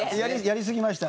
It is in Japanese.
やりすぎました。